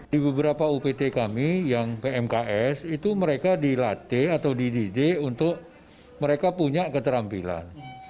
di beberapa upt kami yang pmks itu mereka dilatih atau dididik untuk mereka punya keterampilan